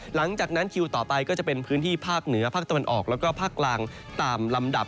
หลังจากนั้นคิวต่อไปก็จะเป็นพื้นที่ภาคเหนือภาคตะวันออกแล้วก็ภาคกลางตามลำดับ